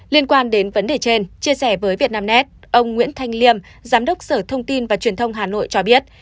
liên quan đến vấn đề trên chia sẻ với vietnamnet ông nguyễn thanh liêm giám đốc sở thông tin và truyền thông hà nội cho biết